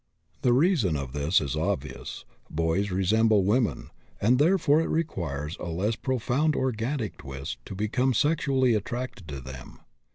The reason of this is obvious: boys resemble women, and therefore it requires a less profound organic twist to become sexually attracted to them.